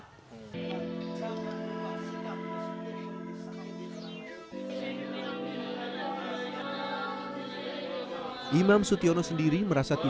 imam sutyono sendiri merasa tidak memiliki kemampuan untuk berkata kata